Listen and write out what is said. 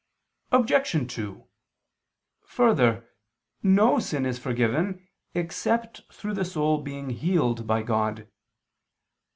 Obj. 2: Further, no sin is forgiven, except through the soul being healed by God.